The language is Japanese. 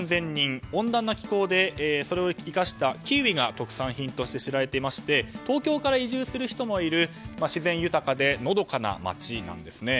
温暖な気候でそれを生かしたキウイが特産品として知られていまして東京から移住する人もいる自然豊かでのどかな町なんですね。